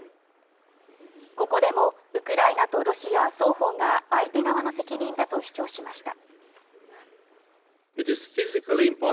ここでもウクライナとロシア双方が相手側の責任だと主張しました。